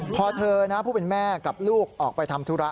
พอเธอนะผู้เป็นแม่กับลูกออกไปทำธุระ